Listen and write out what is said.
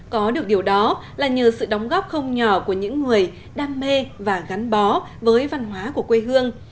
có được điều đó là nhờ sự đóng góp không nhỏ của những người đam mê và gắn bó với văn hóa của quê hương